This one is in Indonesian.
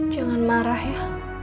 jangan marah ya